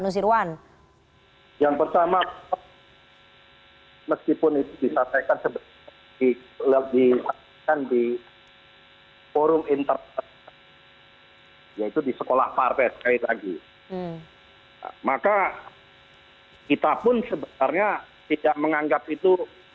tidak menganggap itu